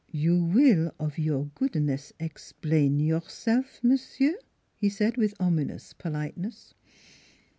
' You will of your goodness explain yourself, monsieur," he said with ominous politeness.